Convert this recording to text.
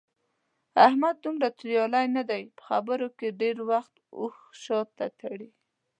احمد دومره توریالی نه دی. په خبرو کې ډېری وخت اوښ شاته تړي.